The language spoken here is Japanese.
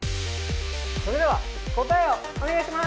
それでは答えをおねがいします！